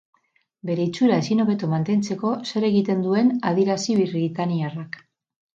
Bere itxura ezinhobeto mantentzeko zer egiten duen adierazi britainiarrak.